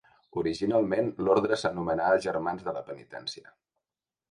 Originalment l'orde s'anomenà Germans de la Penitència.